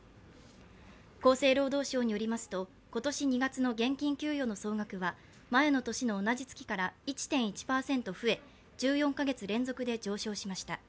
厚生労働省によりますと今年２月の現金給与の総額は前の年の同じ月から１．１％増え１４か月連続で上昇しました。